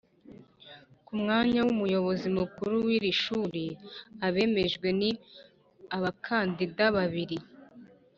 Ku mwanya w’Umuyobozi mukuru w’iri shuri, abemejwe ni abakandida babiri